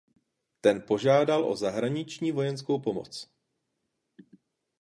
Ten požádal o zahraniční vojenskou pomoc.